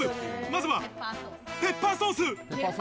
まずはペッパーソース。